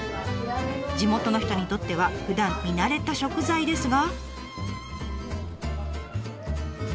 地元の人にとってはふだん見慣れた食材ですが。